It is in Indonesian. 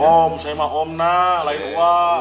om saya mah om nah lain wak